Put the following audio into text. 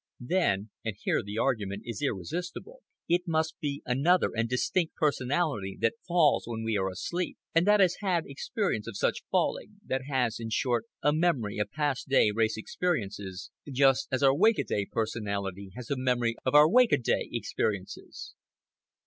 Then—and here the argument is irresistible—it must be another and distinct personality that falls when we are asleep, and that has had experience of such falling—that has, in short, a memory of past day race experiences, just as our wake a day personality has a memory of our wake a day experiences.